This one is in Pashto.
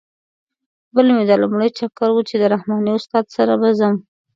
بل مې دا لومړی چکر و چې د رحماني استاد سره به ځم.